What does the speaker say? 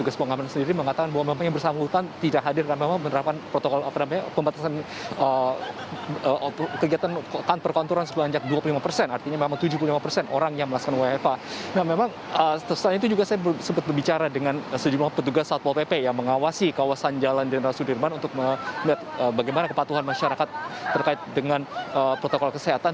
setelah itu juga saya sempat berbicara dengan sejumlah petugas satpol pp yang mengawasi kawasan jalan jenderal sudirman untuk melihat bagaimana kepatuhan masyarakat terkait dengan protokol kesehatan